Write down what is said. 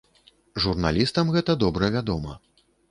Журналістам гэта добра вядома.